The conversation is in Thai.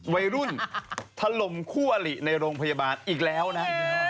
วัยรุ่นถล่มคู่อลิในโรงพยาบาลอีกแล้วนะ